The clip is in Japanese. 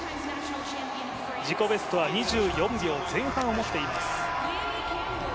自己ベストは２４秒前半を持っています。